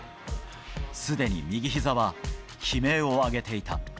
すでに右ひざは、悲鳴を上げていた。